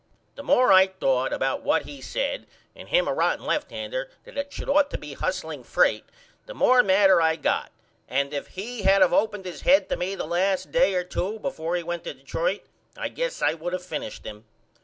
The more I thought about what he said and him a rotten left hander that should ought to be hussling freiht the more madder I got and if he had of opened his head to me the last day or 2 before he went to Detroit I guess I would of finished him.